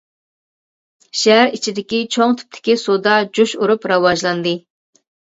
شەھەر ئىچىدىكى چوڭ تىپتىكى سودا جۇش ئۇرۇپ راۋاجلاندى.